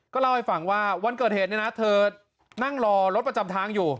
เล่าให้ฟังว่าวันเกิดเหตุเนี่ยนะเธอนั่งรอรถประจำทางอยู่